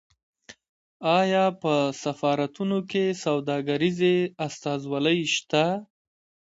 آیا په سفارتونو کې سوداګریزې استازولۍ شته؟